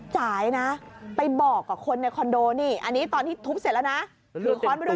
จ่ายนะไปบอกกับคนในคอนโดนี่อันนี้ตอนที่ทุบเสร็จแล้วนะถือค้อนไปด้วย